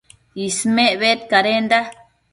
Ismec bedcadenda